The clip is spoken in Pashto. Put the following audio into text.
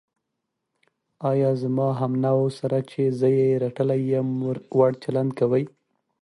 ایا زما همنوعو سره چې زه یې رټلی یم، وړ چلند کوې.